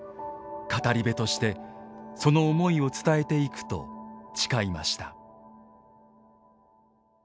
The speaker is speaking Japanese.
語り部としてその思いを伝えていくと誓いました。